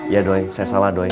ya doi saya salah doi